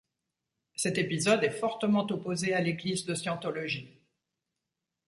Cet épisode est fortement opposé à l'église de scientologie.